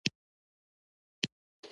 د ګاونډي عزت ته پام کوه